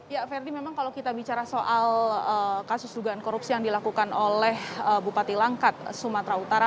ya ferdi memang kalau kita bicara soal kasus dugaan korupsi yang dilakukan oleh bupati langkat sumatera utara